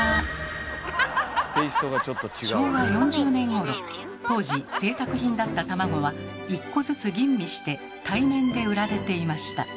昭和４０年ごろ当時ぜいたく品だった卵は１個ずつ吟味して対面で売られていました。